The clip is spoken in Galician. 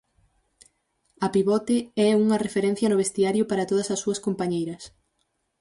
A pivote é unha referencia no vestiario para todas as súas compañeiras.